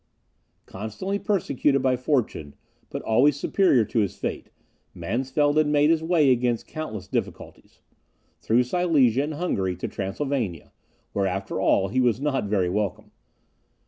Constantly persecuted by fortune, but always superior to his fate, Mansfeld had made his way against countless difficulties, through Silesia and Hungary to Transylvania, where, after all, he was not very welcome.